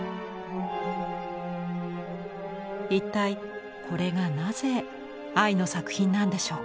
一体これがなぜ愛の作品なんでしょうか？